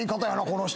この人。